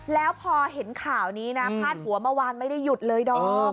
แล้วพอเห็นข่าวนี้นะพาดหัวเมื่อวานไม่ได้หยุดเลยดอม